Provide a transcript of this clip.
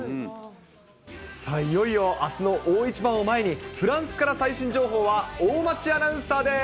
さあ、いよいよあすの大一番を前に、フランスから最新情報は、大町アナウンサーです。